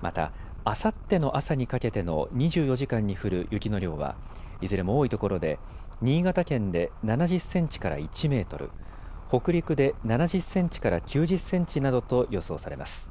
また、あさっての朝にかけての２４時間に降る雪の量はいずれも多いところで新潟県で７０センチから１メートル、北陸で７０センチから９０センチなどと予想されます。